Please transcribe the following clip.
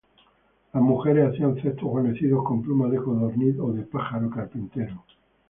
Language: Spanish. Las mujeres hacían cestos guarnecidos con plumas de codorniz o de pájaro carpintero.